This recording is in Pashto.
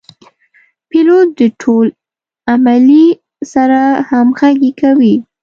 پیلوټ د ټول عملې سره همغږي کوي.